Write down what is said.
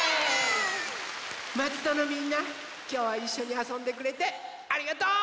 まつどのみんなきょうはいっしょにあそんでくれてありがとう！